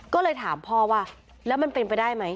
ก็เลยถามพ่อว่าแล้วมันเป็นไปได้ไหม